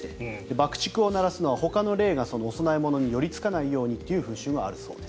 爆竹を鳴らすのはほかの霊がお供え物に寄りつかないようにという風習もあるそうです。